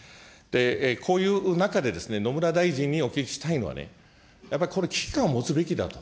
こういう中で、野村大臣にお聞きしたいのはね、やっぱりこれ、危機感を持つべきだと。